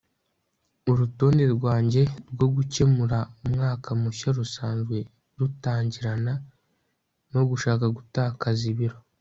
urutonde rwanjye rwo gukemura umwaka mushya rusanzwe rutangirana no gushaka gutakaza ibiro